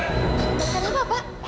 tidak ada apa apa pak